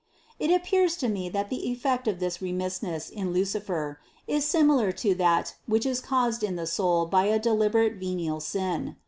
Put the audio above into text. It appears to me that the effect of this remissness in Luci fer, is similar to that which is caused in the soul by a deliberate venial sin.